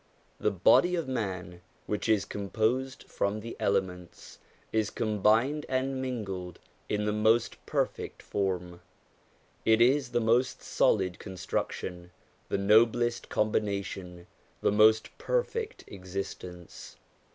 The body of man, which is com posed from the elements, is combined and mingled in the most perfect form ; it is the most solid construction, the noblest combination, the most perfect existence.